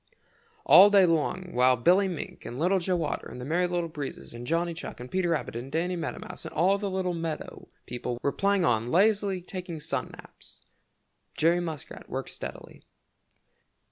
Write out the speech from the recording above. All day long while Billy Mink and Little Joe Otter and the Merry Little Breezes and Johnny Chuck and Peter Rabbit and Danny Meadow Mouse and all the other little meadow people were playing or lazily taking sun naps, Jerry Muskrat worked steadily.